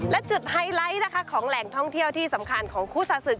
และจุดไฮไลท์นะคะของแหล่งท่องเที่ยวที่สำคัญของคู่ศาสึก